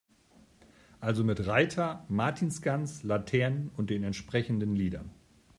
Also mit Reiter, Martinsgans, Laternen und den entsprechenden Liedern.